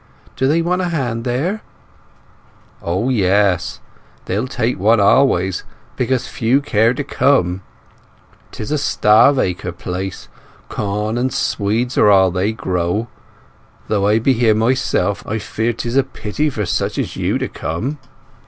Do they want a hand here?" "O yes; they'll take one always, because few care to come. 'Tis a starve acre place. Corn and swedes are all they grow. Though I be here myself, I feel 'tis a pity for such as you to come."